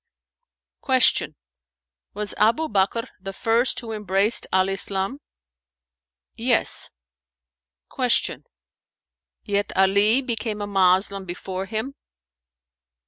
Q "Was Abu Bakr the first who embraced Al Islam?" "Yes." Q "Yet Ali became a Moslem before him?"